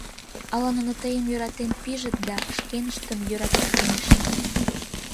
Ала нуно тыйым йӧратен пижыт да шкеныштым йӧратыктынешт.